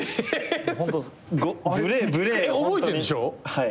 はい。